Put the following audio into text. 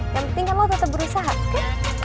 yang penting kan lo tetap berusaha oke